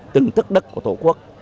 từng thức đất của tổ quốc